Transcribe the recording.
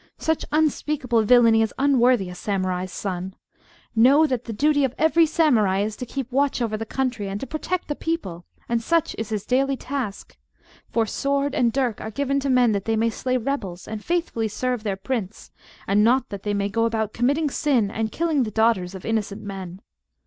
Such unspeakable villany is unworthy a Samurai's son. Know, that the duty of every Samurai is to keep watch over the country, and to protect the people; and such is his daily task. For sword and dirk are given to men that they may slay rebels, and faithfully serve their prince, and not that they may go about committing sin and killing the daughters of innocent men.